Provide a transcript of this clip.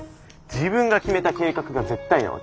自分が決めた計画が絶対なわけ。